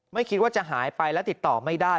ไม่คิดว่าจะหายไปและติดต่อไม่ได้